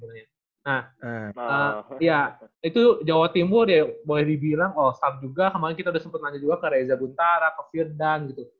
nah itu jawa timur ya boleh dibilang oh sab juga kemaren kita udah sempet nanya juga ke reza buntara ke firdan gitu